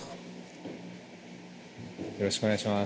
よろしくお願いします。